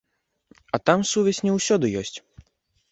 А там сувязь не ўсюды ёсць.